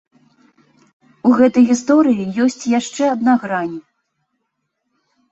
У гэтай гісторыі ёсць яшчэ адна грань.